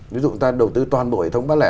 ví dụ chúng ta đầu tư toàn bộ hệ thống bán lẻ